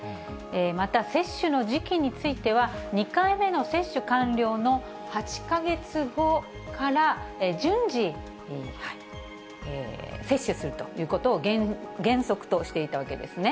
また、接種の時期については、２回目の接種完了の８か月後から順次、接種するということを原則としていたわけですね。